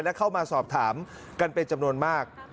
และเข้ามาสอบถามกันเป็นจำนวนมาก